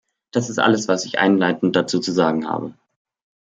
Das ist alles, was ich einleitend dazu zu sagen habe.